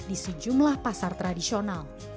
di sejumlah pasar tradisional